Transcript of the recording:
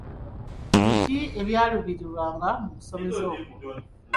Biki ebyaluubirirwanga mu kusomesa okwo?